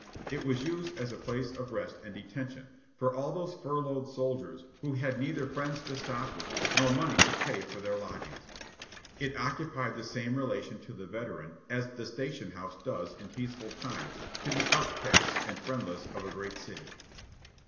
It was used as a place of rest and detention for all those furloughed soldiers who had neither friends to stop with nor money to pay for their lodgings. It occupied the same relation to the veteran as the station house does in peaceful times to the outcasts and friendless of a great city.